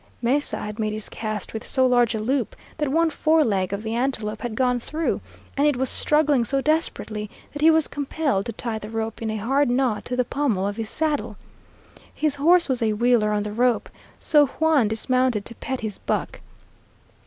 Mesa had made his cast with so large a loop that one fore leg of the antelope had gone through, and it was struggling so desperately that he was compelled to tie the rope in a hard knot to the pommel of his saddle. His horse was a wheeler on the rope, so Juan dismounted to pet his buck.